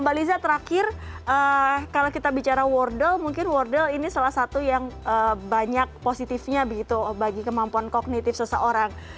mbak liza terakhir kalau kita bicara wordle mungkin wardel ini salah satu yang banyak positifnya begitu bagi kemampuan kognitif seseorang